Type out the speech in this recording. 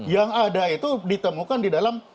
yang ada itu ditemukan di dalam